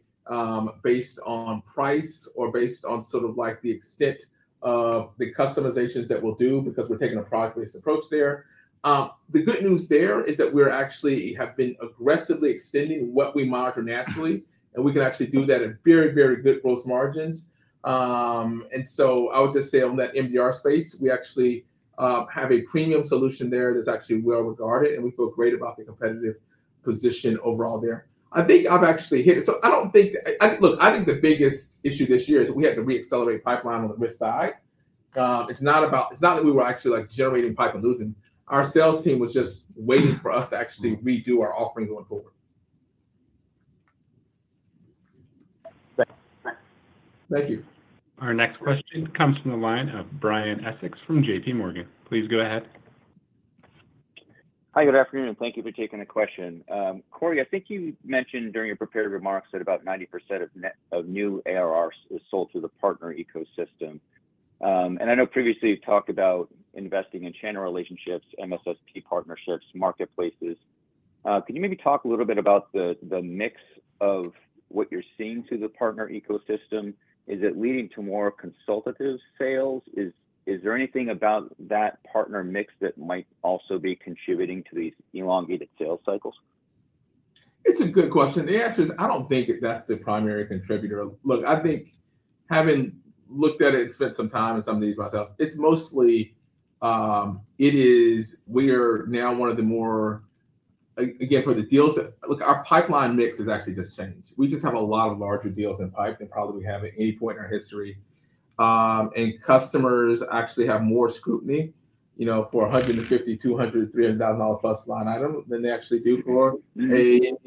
based on price or based on sort of like the extent of the customizations that we'll do because we're taking a product-based approach there. The good news there is that we actually have been aggressively extending what we monitor naturally, and we can actually do that at very, very good gross margins. And so I would just say on that MDR space, we actually have a premium solution there that's actually well regarded, and we feel great about the competitive position overall there. I think I've actually hit it. So I don't think, look, I think the biggest issue this year is we had to re-accelerate pipeline on the risk side. It's not about, it's not that we were actually like generating pipe and losing. Our sales team was just waiting for us to actually redo our offering going forward. Thank you. Our next question comes from the line of Brian Essex from JPMorgan. Please go ahead. Hi, good afternoon. Thank you for taking the question. Corey, I think you mentioned during your prepared remarks that about 90% of new ARRs is sold to the partner ecosystem. And I know previously you've talked about investing in channel relationships, MSSP partnerships, marketplaces. Could you maybe talk a little bit about the mix of what you're seeing through the partner ecosystem? Is it leading to more consultative sales? Is there anything about that partner mix that might also be contributing to these elongated sales cycles? It's a good question. The answer is I don't think that's the primary contributor. Look, I think having looked at it and spent some time on some of these myself, it's mostly, it is, we are now one of the more, again, for the deals, look, our pipeline mix has actually just changed. We just have a lot of larger deals in pipe than probably we have at any point in our history. And customers actually have more scrutiny, you know, for $150,000, $200,000, $300,000 plus line item than they actually do for a $20,000,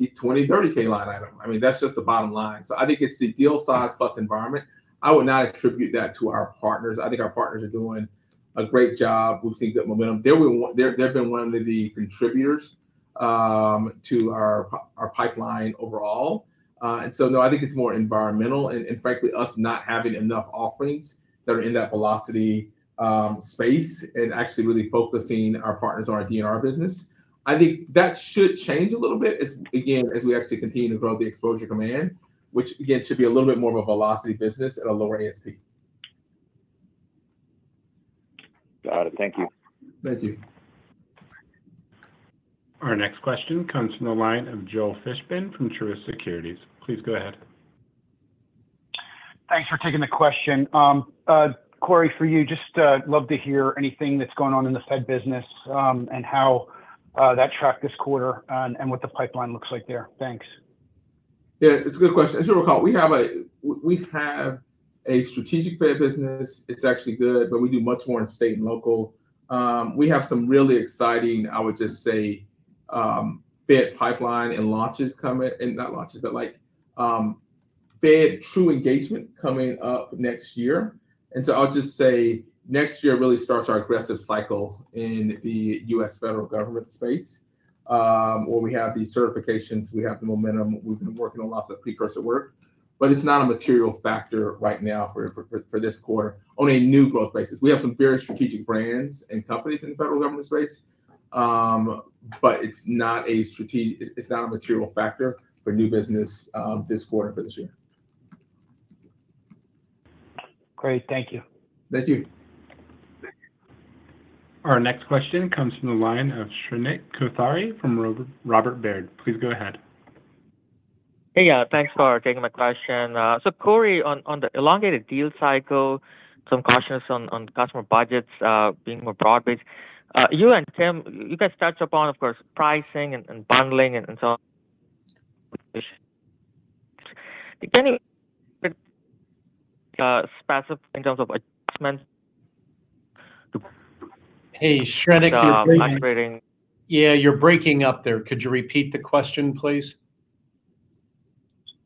$30,000 line item. I mean, that's just the bottom line. So I think it's the deal size plus environment. I would not attribute that to our partners. I think our partners are doing a great job. We've seen good momentum. They've been one of the contributors to our pipeline overall. And so, no, I think it's more environmental and, frankly, us not having enough offerings that are in that velocity space and actually really focusing our partners on our D&R business. I think that should change a little bit as, again, as we actually continue to grow the Exposure Command, which, again, should be a little bit more of a velocity business at a lower ASP. Got it. Thank you. Thank you. Our next question comes from the line of Joel Fishbein from Truist Securities. Please go ahead. Thanks for taking the question. Corey, for you, just love to hear anything that's going on in the Fed business and how that tracked this quarter and what the pipeline looks like there? Thanks. Yeah, it's a good question. As you recall, we have a strategic Fed business. It's actually good, but we do much more in state and local. We have some really exciting. I would just say, Fed pipeline and launches coming, not launches, but like Fed true engagement coming up next year. And so I'll just say next year really starts our aggressive cycle in the U.S. federal government space where we have the certifications, we have the momentum. We've been working on lots of precursor work, but it's not a material factor right now for this quarter on a new growth basis. We have some very strategic brands and companies in the federal government space, but it's not a strategic, it's not a material factor for new business this quarter for this year. Great. Thank you. Thank you. Our next question comes from the line of Shrenik Kothari from Robert W. Baird. Please go ahead. Hey, thanks for taking my question. So Corey, on the elongated deal cycle, some caution on customer budgets being more broad-based. You and Tim, you guys touched upon, of course, pricing and bundling and so on. Can you specify in terms of adjustments? Hey, Shrenik, you're breaking. Yeah, you're breaking up there. Could you repeat the question, please?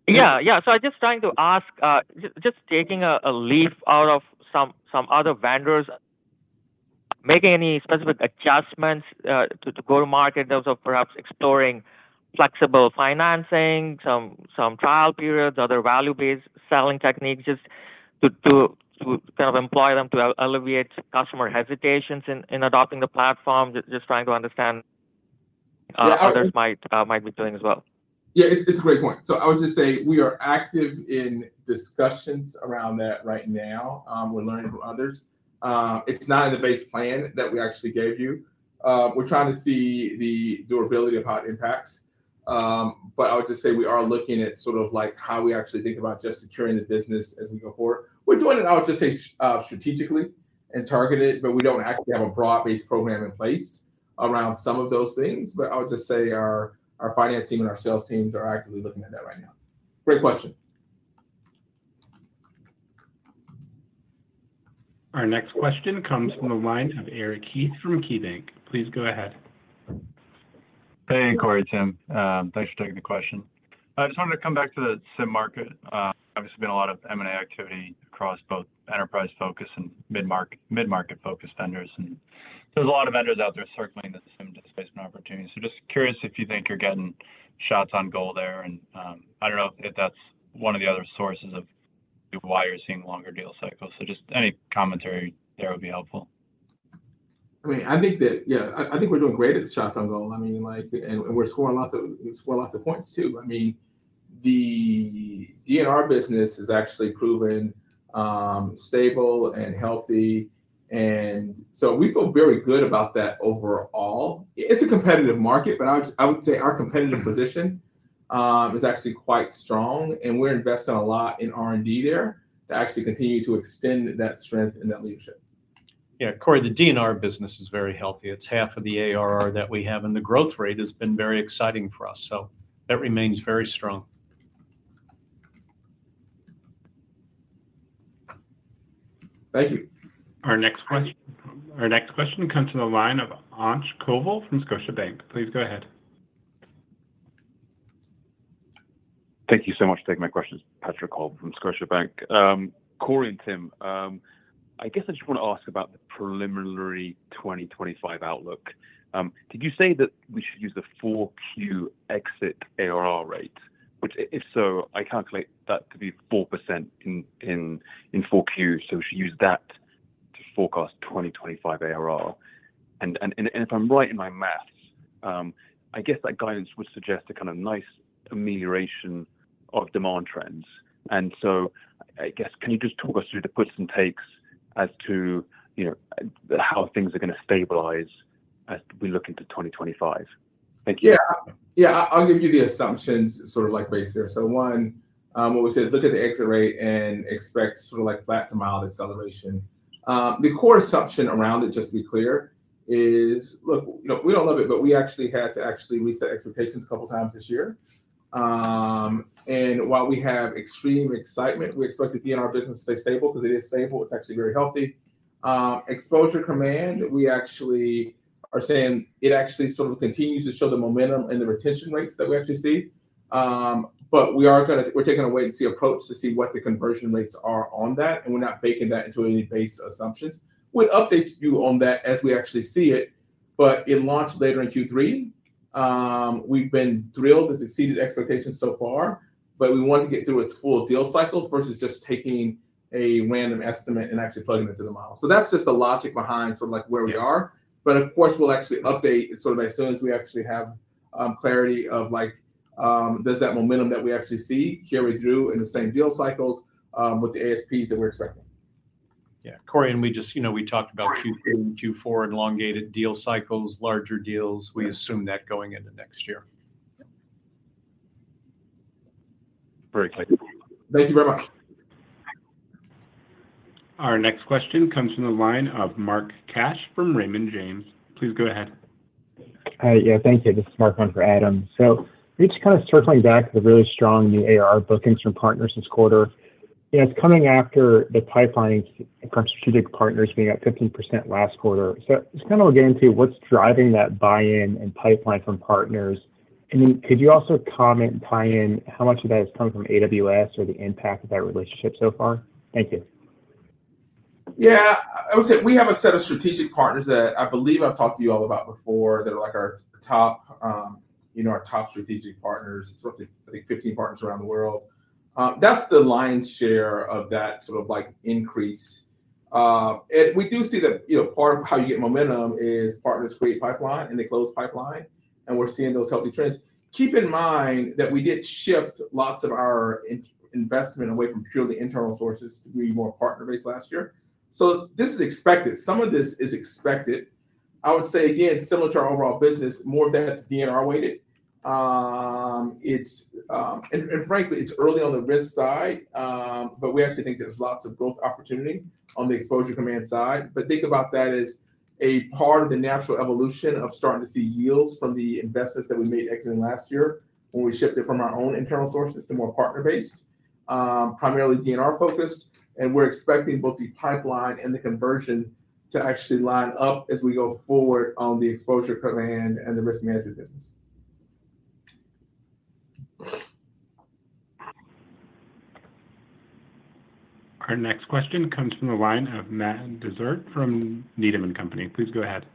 Yeah, yeah. So I'm just trying to ask, just taking a leaf out of some other vendors, making any specific adjustments to go to market in terms of perhaps exploring flexible financing, some trial periods, other value-based selling techniques just to kind of employ them to alleviate customer hesitations in adopting the platform, just trying to understand how others might be doing as well? Yeah, it's a great point. So I would just say we are active in discussions around that right now. We're learning from others. It's not in the base plan that we actually gave you. We're trying to see the durability of how it impacts. But I would just say we are looking at sort of like how we actually think about just securing the business as we go forward. We're doing it, I would just say, strategically and targeted, but we don't actually have a broad-based program in place around some of those things. But I would just say our finance team and our sales teams are actively looking at that right now. Great question. Our next question comes from the line of Eric Heath from KeyBanc Capital Markets. Please go ahead. Hey, Corey, Tim. Thanks for taking the question. I just wanted to come back to the SIEM market. Obviously, there's been a lot of M&A activity across both enterprise-focused and mid-market-focused vendors. And there's a lot of vendors out there circling the SIEM displacement opportunity. So just curious if you think you're getting shots on goal there. And I don't know if that's one of the other sources of why you're seeing longer deal cycles. So just any commentary there would be helpful. I mean, I think that, yeah, I think we're doing great at the shots on goal. I mean, like, and we're scoring lots of points too. I mean, the D&R business is actually proven stable and healthy. And so we feel very good about that overall. It's a competitive market, but I would say our competitive position is actually quite strong. And we're investing a lot in R&D there to actually continue to extend that strength and that leadership. Yeah, Corey, the D&R business is very healthy. It's half of the ARR that we have, and the growth rate has been very exciting for us. So that remains very strong. Thank you. Our next question comes from the line of Patrick Colville from Scotiabank. Please go ahead. Thank you so much for taking my questions, Patrick Colville from Scotiabank. Corey and Tim, I guess I just want to ask about the preliminary 2025 outlook. Did you say that we should use the 4Q exit ARR rate? If so, I calculate that to be 4% in 4Q. So we should use that to forecast 2025 ARR. And if I'm right in my math, I guess that guidance would suggest a kind of nice amelioration of demand trends. And so I guess, can you just talk us through the puts and takes as to how things are going to stabilize as we look into 2025? Thank you. Yeah, yeah. I'll give you the assumptions sort of like based here. So one, what we say is look at the exit rate and expect sort of like flat to mild acceleration. The core assumption around it, just to be clear, is, look, we don't love it, but we actually had to reset expectations a couple of times this year. And while we have extreme excitement, we expect the D&R business to stay stable because it is stable. It's actually very healthy. Exposure Command, we actually are saying it sort of continues to show the momentum and the retention rates that we actually see. But we are going to, we're taking a wait-and-see approach to see what the conversion rates are on that. And we're not baking that into any base assumptions. We'd update you on that as we actually see it. But Insight launch later in Q3, we've been thrilled and exceeded expectations so far, but we want to get through its full deal cycles versus just taking a random estimate and actually plugging it to the model. So that's just the logic behind sort of like where we are. But of course, we'll actually update sort of as soon as we actually have clarity of like, does that momentum that we actually see carry through in the same deal cycles with the ASPs that we're expecting? Yeah. Corey, and we just, you know, we talked about Q3 and Q4 and elongated deal cycles, larger deals. We assume that going into next year. Very clear. Thank you very much. Our next question comes from the line of Mark Hunter from Raymond James. Please go ahead. Hi. Yeah, thank you. This is Mark Hunter. So we're just kind of circling back to the really strong new ARR bookings from partners this quarter. You know, it's coming after the pipeline from strategic partners being at 15% last quarter. So it's kind of a guarantee of what's driving that buy-in and pipeline from partners. And then could you also comment and tie in how much of that has come from AWS or the impact of that relationship so far? Thank you. Yeah. I would say we have a set of strategic partners that I believe I've talked to you all about before that are like our top, you know, our top strategic partners, sort of. I think 15 partners around the world. That's the lion's share of that sort of like increase, and we do see that, you know, part of how you get momentum is partners create pipeline and they close pipeline, and we're seeing those healthy trends. Keep in mind that we did shift lots of our investment away from purely internal sources to be more partner-based last year, so this is expected. Some of this is expected. I would say, again, similar to our overall business, more of that's D&R-weighted, and frankly, it's early on the risk side, but we actually think there's lots of growth opportunity on the Exposure Command side. But think about that as a part of the natural evolution of starting to see yields from the investments that we made exiting last year when we shifted from our own internal sources to more partner-based, primarily D&R-focused. And we're expecting both the pipeline and the conversion to actually line up as we go forward on the Exposure Command and the risk management business. Our next question comes from the line of Matt Stavris from Needham & Company. Please go ahead.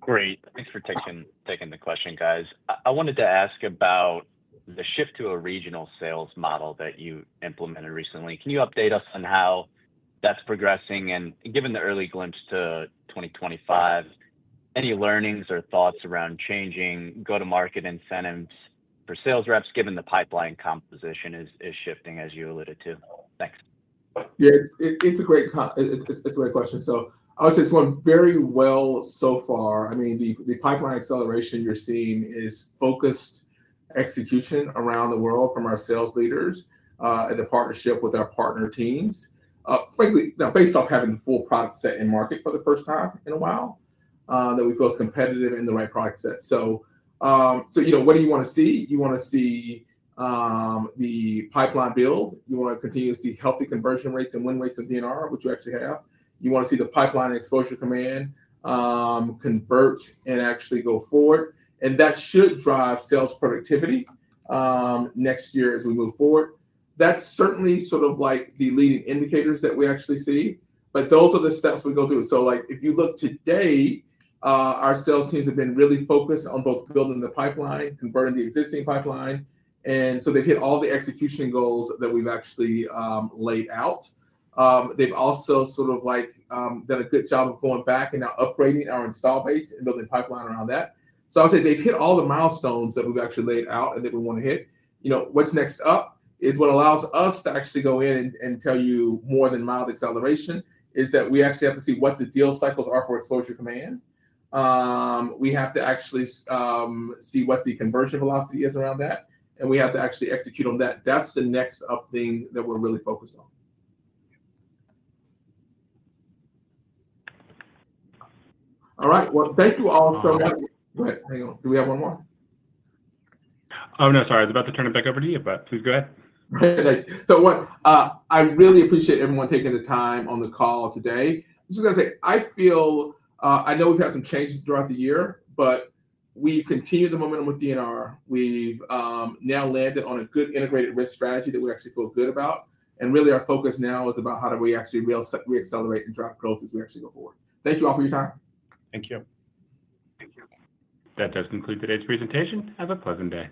Corey, thanks for taking the question, guys. I wanted to ask about the shift to a regional sales model that you implemented recently. Can you update us on how that's progressing? And given the early glimpse to 2025, any learnings or thoughts around changing go-to-market incentives for sales reps given the pipeline composition is shifting, as you alluded to? Thanks. Yeah, it's a great question. So I would say it's gone very well so far. I mean, the pipeline acceleration you're seeing is focused execution around the world from our sales leaders and the partnership with our partner teams. Frankly, now based off having the full product set in market for the first time in a while, that we feel is competitive in the right product set. So, you know, what do you want to see? You want to see the pipeline build. You want to continue to see healthy conversion rates and win rates of D&R, which you actually have. You want to see the pipeline Exposure Command convert and actually go forward. And that should drive sales productivity next year as we move forward. That's certainly sort of like the leading indicators that we actually see. But those are the steps we go through. So like if you look today, our sales teams have been really focused on both building the pipeline, converting the existing pipeline. And so they've hit all the execution goals that we've actually laid out. They've also sort of like done a good job of going back and now upgrading our install base and building pipeline around that. So I would say they've hit all the milestones that we've actually laid out and that we want to hit. You know, what's next up is what allows us to actually go in and tell you more than mild acceleration is that we actually have to see what the deal cycles are for Exposure Command. We have to actually see what the conversion velocity is around that. And we have to actually execute on that. That's the next up thing that we're really focused on. All right. Thank you all so much. Go ahead. Hang on. Do we have one more? Oh, no, sorry. I was about to turn it back over to you, but please go ahead. So one, I really appreciate everyone taking the time on the call today. I was just going to say, I feel I know we've had some changes throughout the year, but we've continued the momentum with D&R. We've now landed on a good integrated risk strategy that we actually feel good about. And really our focus now is about how do we actually reaccelerate and drive growth as we actually go forward. Thank you all for your time. Thank you. That does conclude today's presentation. Have a pleasant day.